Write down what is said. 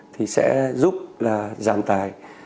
thì sẽ giúp là giảm tài